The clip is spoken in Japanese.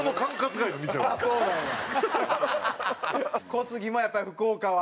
小杉もやっぱり福岡は。